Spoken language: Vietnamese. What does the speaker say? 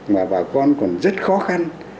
mà bà con còn rất khó khăn